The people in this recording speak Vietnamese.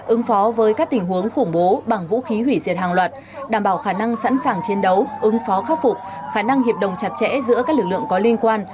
ứng phó với các tình huống khủng bố bằng vũ khí hủy diệt hàng loạt đảm bảo khả năng sẵn sàng chiến đấu ứng phó khắc phục khả năng hiệp đồng chặt chẽ giữa các lực lượng có liên quan